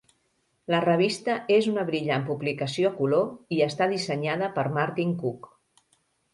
La revista és una brillant publicació a color i està dissenyada per Martin Cook.